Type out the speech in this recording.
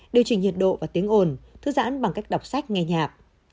điều chỉnh nhiệt độ và tiếng ồn thư giãn bằng cách đọc sách nghe nhạc